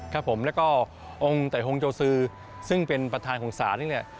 ครับผมแล้วก็องค์ไตฮงโจซือซึ่งเป็นประธานของศาลนี่เนี่ย